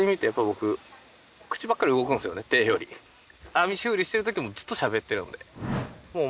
網修理してるときもずっとしゃべってるので。